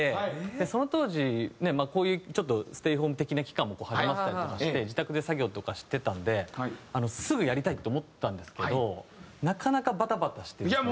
でその当時まあこういうちょっとステイホーム的な期間も始まってたりとかして自宅で作業とかしてたんですぐやりたい！と思ったんですけどなかなかバタバタしてですね。